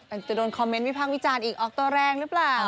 อาจจะโดนคอมเมนต์วิพากษ์วิจารณ์อีกออกตัวแรงหรือเปล่า